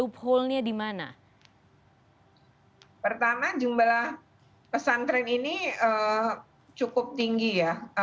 pertama jumlah pesantren ini cukup tinggi ya